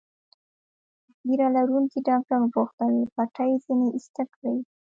ږیره لرونکي ډاکټر وپوښتل: پټۍ ځینې ایسته کړي؟